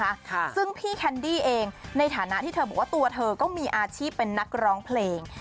ค่ะซึ่งพี่แคนดี้เองในฐานะที่เธอบอกว่าตัวเธอก็มีอาชีพเป็นนักร้องเพลง